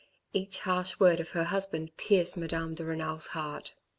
Each harsh word of her husband pierced Madame de Renal's heart.